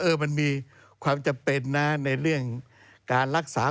มันมีความจำเป็นนะในเรื่องการรักษา